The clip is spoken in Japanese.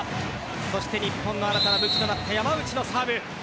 そして日本の新たな武器となった山内のサーブ。